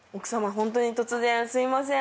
本当に突然すみません。